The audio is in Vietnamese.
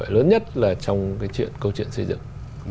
lớn nhất là trong cái câu chuyện xây dựng